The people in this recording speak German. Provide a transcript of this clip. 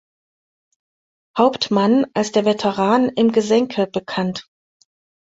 Hauptmann als der „Veteran im Gesenke“ bekannt.